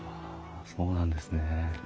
ああそうなんですね。